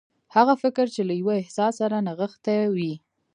هغه فکر چې له يوه احساس سره نغښتي وي.